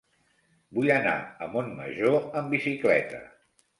Vull anar a Montmajor amb bicicleta.